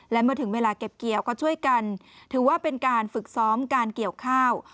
และเมื่อถึงเวลาเก็บเกี่ยวก็ช่วยกันถือว่าเป็นการฝึกซ้อมการเกี่ยวข้าว